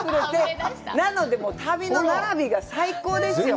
なので、旅の並びが最高ですよ。